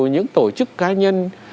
những tổ chức cá nhân